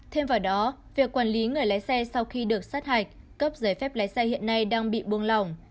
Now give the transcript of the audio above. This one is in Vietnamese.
thêm vào đó việc quản lý người lái xe sau khi được sát hạch cấp giấy phép lái xe hiện nay đang bị buông lỏng